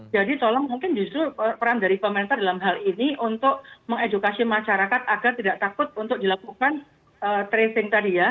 jadi tolong mungkin justru peran dari pemerintah dalam hal ini untuk mengedukasi masyarakat agar tidak takut untuk dilakukan tracing tadi ya